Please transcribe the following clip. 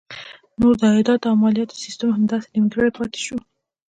نو د عایداتو او مالیاتو سیسټم همداسې نیمګړی پاتې شو.